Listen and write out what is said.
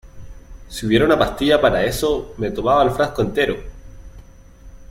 si hubiera una pastilla para eso, me tomaba el frasco entero.